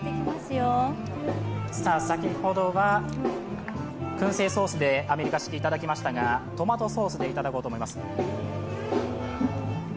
先ほどは、くん製ソースでアメリカ式いただきましたがトマトソースでいただきます。